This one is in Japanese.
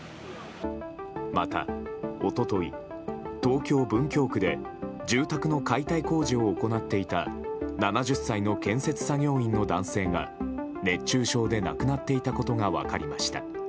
また、一昨日、東京・文京区で住宅の解体工事を行っていた７０歳の建設作業員の男性が熱中症で亡くなっていたことが分かりました。